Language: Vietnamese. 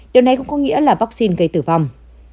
điều này cũng có nghĩa là vaccine gây tử vong